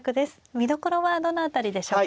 見どころはどの辺りでしょうか。